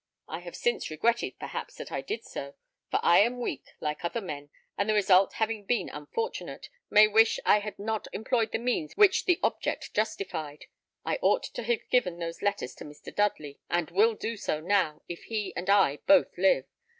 I have since regretted, perhaps, that I did so; for I am weak, like other men, and the result having been unfortunate, may wish I had not employed the means which the object justified. I ought to have given those letters to Mr. Dudley, and will do so now, if he and I both live.